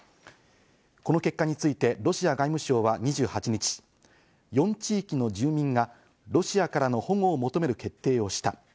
この結果についてロシア外務省は２８日、４地域の住民がロシアからの保護を求める決定をした。